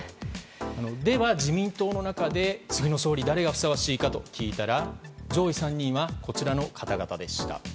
では自民党の中で次の総理は誰がふさわしいかと聞いたら、上位３人はこちらの方々でした。